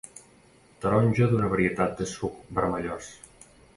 Taronja d'una varietat de suc vermellós.